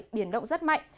biển động rất mạnh